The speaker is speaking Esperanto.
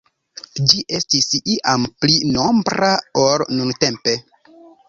Ĝi estis iam pli nombra ol nuntempe.